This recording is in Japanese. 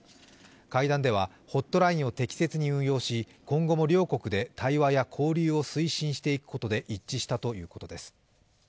会談ではホットラインを適切に運用し今後も両国で対話や交流を推進していくことで一致したということです。